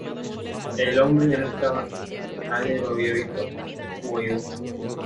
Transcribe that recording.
El hombre ya no estaba, nadie lo había visto u oído salir.